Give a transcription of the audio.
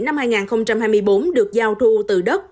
năm hai nghìn hai mươi bốn được giao thu từ đất